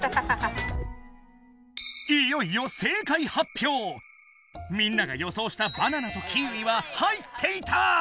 いよいよみんなが予想したバナナとキウイは入っていた！